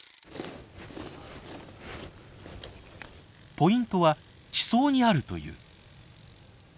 ポイントは地層にあるという。